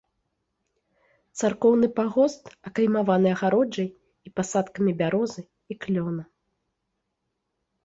Царкоўны пагост акаймаваны агароджай і пасадкамі бярозы і клёна.